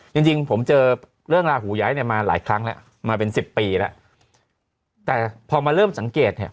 จริงจริงผมเจอเรื่องลาหูย้ายเนี่ยมาหลายครั้งแล้วมาเป็นสิบปีแล้วแต่พอมาเริ่มสังเกตเนี่ย